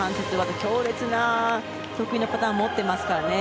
強烈な得意のパターンを持っていますからね。